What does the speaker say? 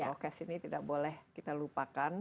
oke sini tidak boleh kita lupakan